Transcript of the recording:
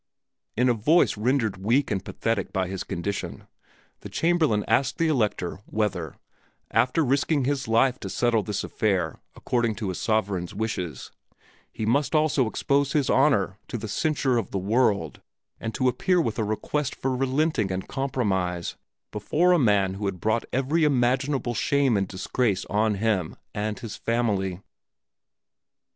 In a voice rendered weak and pathetic by his condition, the Chamberlain asked the Elector whether, after risking his life to settle this affair according to his sovereign's wishes, he must also expose his honor to the censure of the world and to appear with a request for relenting and compromise before a man who had brought every imaginable shame and disgrace on him and his family.